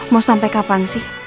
mau sampai kapan sih